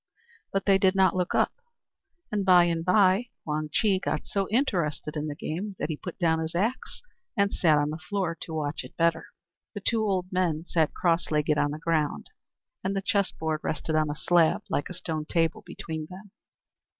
But they did not look up, and by and by Wang Chih got so interested in the game that he put down his axe and sat on the floor to watch it better. The two old men sat cross legged on the ground, and the chessboard rested on a slab, like a stone table, between them.